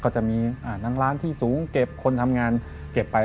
ก็จะมีนางร้านที่สูงเก็บคนทำงานเก็บไป